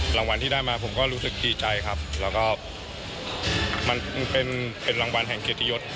รางวัลที่ได้มาผมก็รู้สึกดีใจครับแล้วก็มันเป็นรางวัลแห่งเกียรติยศ